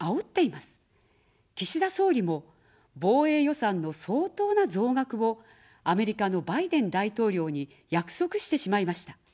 岸田総理も防衛予算の相当な増額をアメリカのバイデン大統領に約束してしまいました。